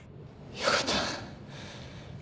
よかった。